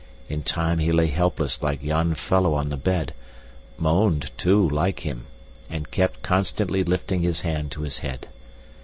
In time he lay helpless like yon fellow on the bed, moaned, too, like him, and kept constantly lifting his hand to his head.